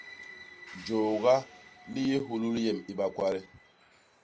Jôôga li yé hulul yem i bakwade.